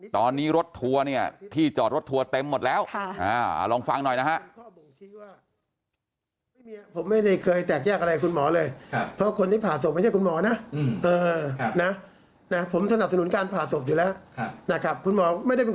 ตอนนี้ที่จอดรถทัวร์เต็มหมดแล้วลองฟังหน่อยนะฮะ